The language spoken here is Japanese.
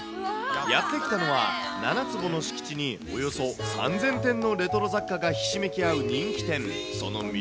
やって来たのは７坪の敷地におよそ３０００点のレトロ雑貨がひしめき合う人気店。